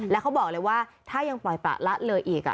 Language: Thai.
แล้วเขาบอกเลยว่าถ้ายังปล่อยประละเลยอีก